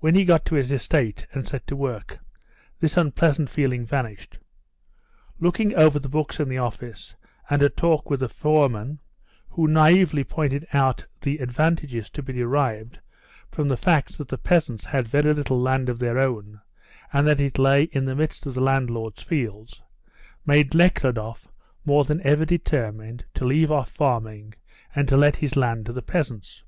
When he got to his estate and set to work this unpleasant feeling vanished. Looking over the books in the office, and a talk with the foreman, who naively pointed out the advantages to be derived from the facts that the peasants had very little land of their own and that it lay in the midst of the landlord's fields, made Nekhludoff more than ever determined to leave off farming and to let his land to the peasants.